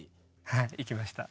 はい行きました。